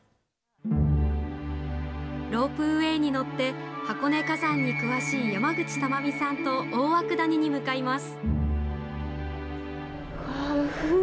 ロープウエーに乗って箱根火山に詳しい山口珠美さんと大涌谷に向かいます。